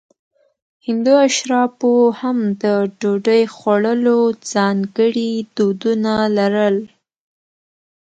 هندو اشرافو هم د ډوډۍ خوړلو ځانګړي دودونه لرل.